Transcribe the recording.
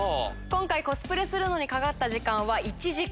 今回コスプレにかかった時間は１時間。